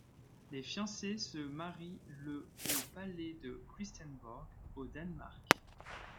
Les fiancés se marient le au palais de Christiansborg, au Danemark.